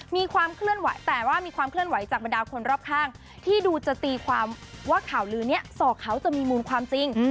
มีความเคลื่อนไหวแต่ว่ามีความเคลื่อนไหวจากบรรดาคนรอบข้างที่ดูจะตีความว่าข่าวลือนี้สอกเขาจะมีมูลความจริง